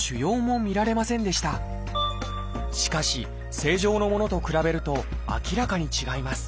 しかし正常のものと比べると明らかに違います。